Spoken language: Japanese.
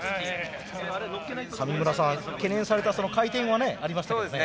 上村さん懸念されたその回転はねありましたけどね。